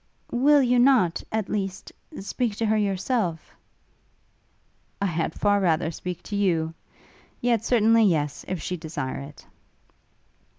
'Will you not, at least, speak to her yourself?' 'I had far rather speak to you! Yet certainly yes, if she desire it.'